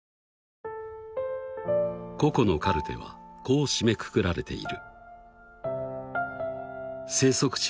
［ココのカルテはこう締めくくられている］